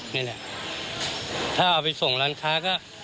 ถ้าเอาไปส่งร้านค้าก็